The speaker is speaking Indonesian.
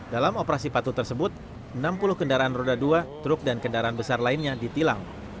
dalam operasi patuh tersebut enam puluh kendaraan roda dua truk dan kendaraan besar lainnya ditilang